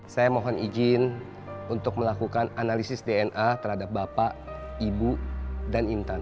saya mohon izin untuk melakukan analisis dna terhadap bapak ibu dan intan